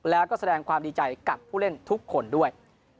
แล้วก็แสดงความดีใจกับผู้เล่นทุกคนด้วย